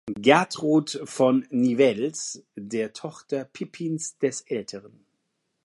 Gertrud von Nivelles, der Tochter Pippins des Älteren.